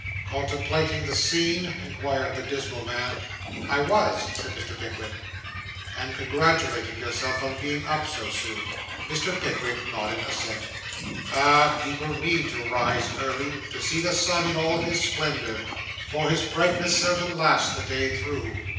'Contemplating the scene?' inquired the dismal man. 'I was,' said Mr. Pickwick. 'And congratulating yourself on being up so soon?' Mr. Pickwick nodded assent. 'Ah! people need to rise early, to see the sun in all his splendour, for his brightness seldom lasts the day through.